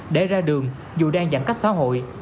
để ra đường dù đang giãn cách xã hội